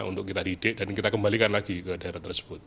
untuk kita didik dan kita kembalikan lagi ke daerah tersebut